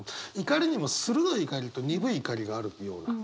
怒りにも鋭い怒りと鈍い怒りがあるような。